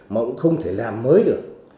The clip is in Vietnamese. mà cũng không thể làm mới được